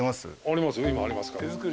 ありますよ。